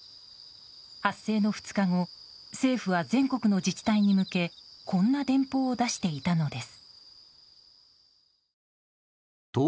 発生の２日後政府は全国の自治体に向けこんな電報を出していたのです。